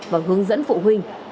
và hướng dẫn phụ huynh